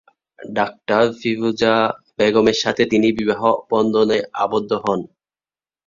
Doctor Firoza বেগমের সাথে তিনি বিবাহ বন্ধনে আবদ্ধ হন।